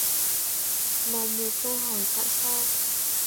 mà nhiều câu hỏi tại sao